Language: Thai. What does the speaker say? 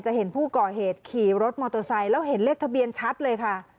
เห็นผู้ก่อเหตุขี่รถมอเตอร์ไซค์แล้วเห็นเลขทะเบียนชัดเลยค่ะ